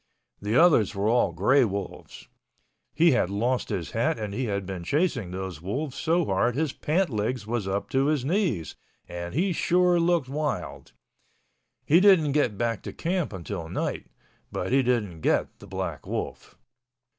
(The others were all gray wolves.) He had lost his hat and he had been chasing those wolves so hard his pants legs was up to his knees and he sure looked wild. He didn't get back to camp until night—but he didn't get the black wolf.